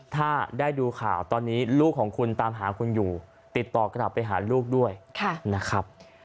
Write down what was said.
ถ้าได้ดูข่าวตอนนี้ลูกของคุณตามหาคุณอยู่ติดต่อกลับไปหาลูกด้วยนะครับ